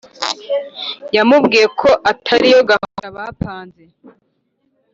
Yamubwiyeko atari yo gahunda bapanze